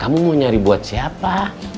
kamu mau nyari buat siapa